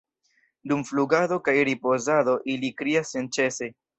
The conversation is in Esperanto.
Dum flugado kaj ripozado ili krias senĉese.